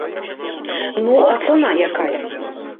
Ну, а цана якая?